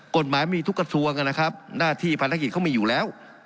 กฎหมายมีทุกกระทรวงนะครับหน้าที่ภารกิจเขามีอยู่แล้ว